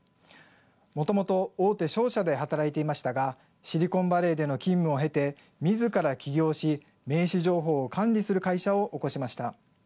もともと大手商社で働いていましたがシリコンバレーでの勤務を経てみずから起業し名刺情報を管理する会社を興しました。